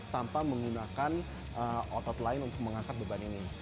tanpa menggunakan otot lain untuk mengangkat beban ini